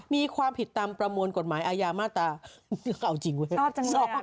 มีความผิดตามประมวลกฎหมายอาญามาตราเอาจริงเว้ยชอบจัง